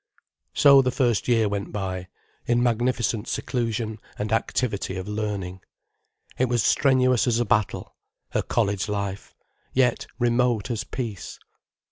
So the first year went by, in magnificent seclusion and activity of learning. It was strenuous as a battle, her college life, yet remote as peace.